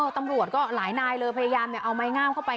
ตำรวจก็หลายนายเลยพยายามเอาไม้งามเข้าไป